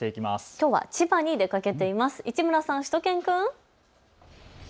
きょうは千葉に出かけています、市村さん、しゅと犬くん。